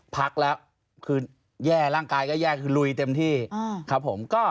พักแล้วคือแย่ร่างกายก็แย่คือลุยเต็มที่ครับผม